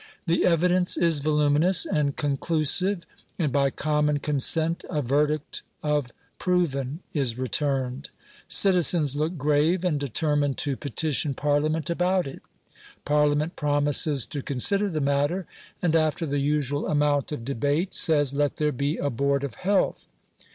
The evidence is voluminous and conclusive, and by common consent a verdict of proven is re turned. Citizens look grave and determine to petition parlia* ment about it. Parliament promises to consider the matter; and after the usual amount of debate, says —" Let there be a Board of Health."